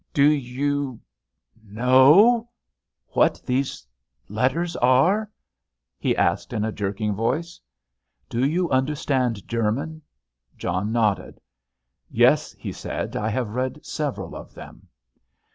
"Do you know what these letters are?" he asked in a jerking voice. "Do you understand German?" John nodded. "Yes," he said. "I have read several of them."